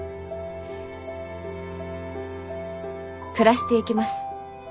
暮らしていきます。